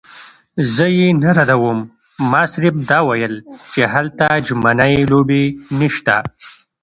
زه یې نه ردوم، ما صرف دا ویل چې هلته ژمنۍ لوبې نشته.